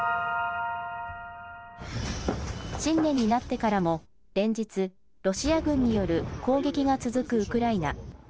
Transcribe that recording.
新年になってからも連日ロシア軍による攻撃が続くウクライナ。